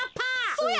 そや。